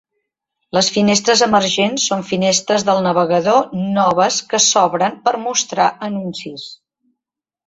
Les finestres emergents són finestres del navegador noves que s'obren per mostrar anuncis.